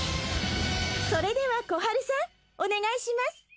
それではコハルさんお願いします。